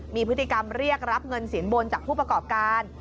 มีพฤติกรรมเรียกรับเงินสินบนจากผู้ประกอบการ